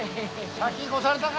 先越されたか！